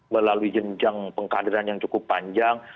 melalui jenjang pengkaderan yang cukup panjang